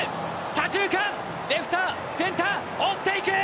左中間、レフト、センター追っていく！